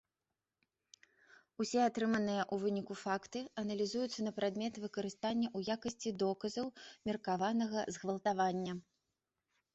Усе атрыманыя ў выніку факты аналізуюцца на прадмет выкарыстання ў якасці доказаў меркаванага згвалтавання.